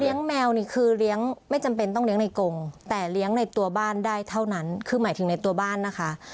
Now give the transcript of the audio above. แมวนี่คือเลี้ยงไม่จำเป็นต้องเลี้ยงในกงแต่เลี้ยงในตัวบ้านได้เท่านั้นคือหมายถึงในตัวบ้านนะคะ